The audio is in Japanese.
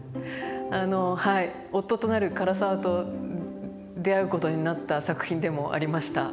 あのはい夫となる唐沢と出会うことになった作品でもありました。